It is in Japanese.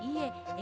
え！